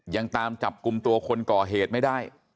ยังตามจับกลุ่มตัวคนก่อเหตุไม่ได้